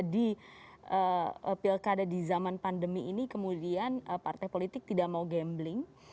di pilkada di zaman pandemi ini kemudian partai politik tidak mau gambling